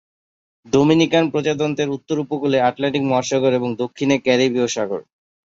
Dominican প্রজাতন্ত্রের উত্তর উপকূলে আটলান্টিক মহাসাগর এবং দক্ষিণে ক্যারিবীয় সাগর।